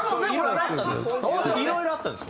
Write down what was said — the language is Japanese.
なんかいろいろあったんです